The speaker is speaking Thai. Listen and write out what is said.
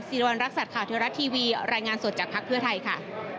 วรรณรักษัตริย์ข่าวเทวรัฐทีวีรายงานสดจากภักดิ์เพื่อไทยค่ะ